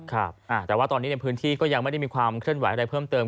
ครับแต่ว่าตอนนี้ในพื้นที่ก็ยังไม่ได้มีความเคลื่อนไหวอะไรเพิ่มเติม